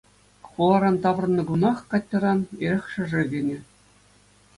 Хуларан таврӑннӑ кунах Катьӑран эрех шӑрши кӗнӗ.